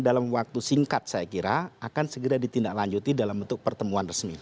dan yang waktu singkat saya kira akan segera ditindaklanjuti dalam bentuk pertemuan resmi